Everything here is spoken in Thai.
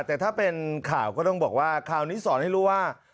แต่ถ้าเป็นข่าวก็ต้องบอกว่าข่าวนี้สอนให้รู้ว่า